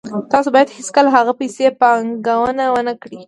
تاسو باید هیڅکله هغه پیسې پانګونه ونه کړئ